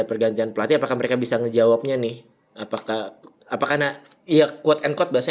pergantian pelatih apakah mereka bisa menjawabnya nih apakah apakah iya quote and quote bahasanya